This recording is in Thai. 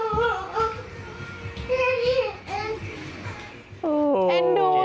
สามสามสี่สามเฮ้อ